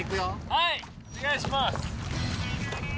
はいお願いします。